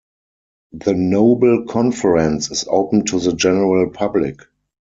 The Noble conference is open to the general public.